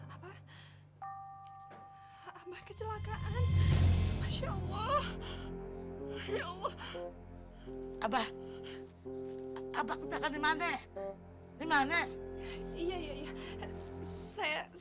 apa apa kecelakaan masya allah ya allah